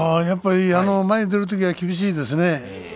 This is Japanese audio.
やっぱり前に出るときは厳しいですね。